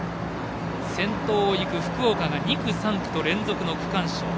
先頭を行く福岡が２区、３区と連続の区間賞。